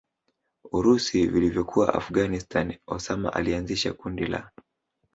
urusi vilivyokuwa Afghanstani Osama alianzisha kundi la